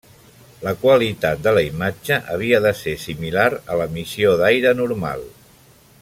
La qualitat de la imatge havia de ser similar a l'emissió d'aire normal.